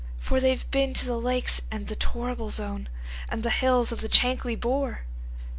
For they've been to the Lakes, and the Torrible Zone, And the hills of the Chankly Bore."